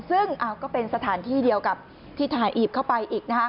ซึ่งก็เป็นสถานที่เดียวกับที่ทหารอียิปต์เข้าไปอีก